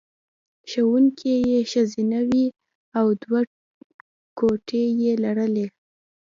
ښوونکې یې ښځینه وې او دوه کوټې یې لرلې